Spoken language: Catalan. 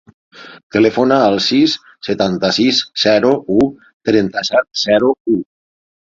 Telefona al sis, setanta-sis, zero, u, trenta-set, zero, u.